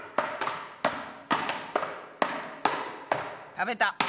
食べた！